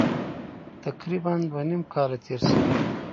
تقریبا دوه نیم کاله تېر شوي دي.